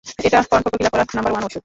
এটা কন্ঠ কোকিলা করার number one ঔষধ।